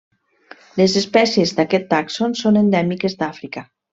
Les espècies d'aquest tàxon són endèmiques d'Àfrica.